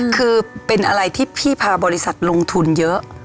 คือเป็นอะไรที่พี่พาบริษัทลงทุนเยอะ